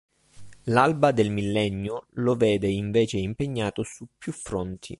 L’alba del millennio lo vede invece impegnato su più fronti.